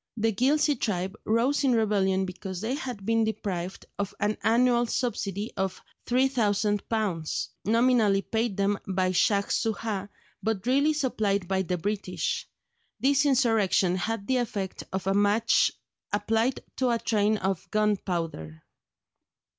The Ghilzye tribe rose in rebellion because they had been deprived of an annual subsidy of £3000, nominally paid them by Shaj Soojah, but really supplied by the British. This insurrection had the effect of a match applied to a train of gunpowder.